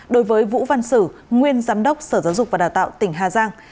đối với vũ văn sử nguyên giám đốc sở giáo dục và đào tạo tỉnh hà giang